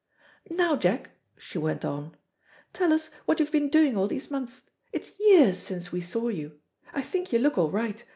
"Now, Jack," she went on, "tell us what you've been doing all these months. It's years since we saw you. I think you look all right.